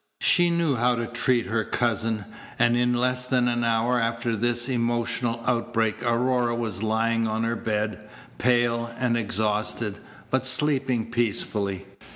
She knew how to treat her cousin; and in less than an hour after this emotional outbreak Aurora was lying on her bed, pale and exhausted, but sleeping peacefully.